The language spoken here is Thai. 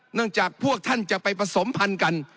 เนื่องจากพวกท่านจะไปผสมพันกัน